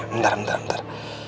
bentar bentar bentar